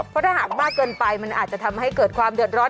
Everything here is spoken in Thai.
เพราะถ้าหากมากเกินไปมันอาจจะทำให้เกิดความเดือดร้อน